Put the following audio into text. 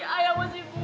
ayah masih mudra